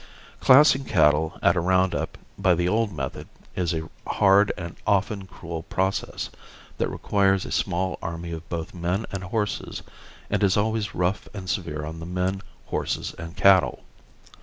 Classing cattle at a round up by the old method is a hard and often cruel process, that requires a small army of both men and horses and is always rough and severe on the men, horses and cattle.